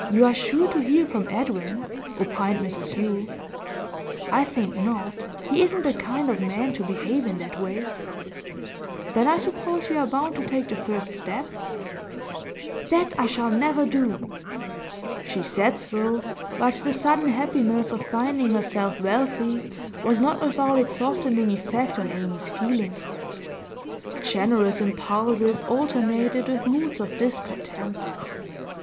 'You are sure to hear from Edwin,' opined Mrs Yule. 'I think not. He isn't the kind of man to behave in that way.' 'Then I suppose you are bound to take the first step?' 'That I shall never do.' She said so, but the sudden happiness of finding herself wealthy was not without its softening effect on Amy's feelings. Generous impulses alternated with moods of discontent.